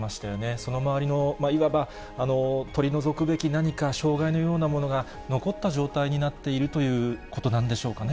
その周りのいわば取り除くべき何か障害のようなものが残った状態になっているということなんでしょうかね。